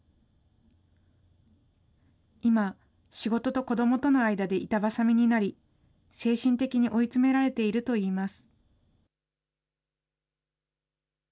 今、仕事と子どもとの間で板挟みになり、精神的に追い詰められているといいます。